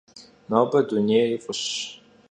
Nobe dunêyr f'ış.